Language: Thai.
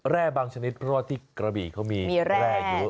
บางชนิดเพราะว่าที่กระบี่เขามีแร่อยู่